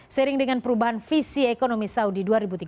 sering dengan perubahan visi ekonomi saudi dua ribu tiga puluh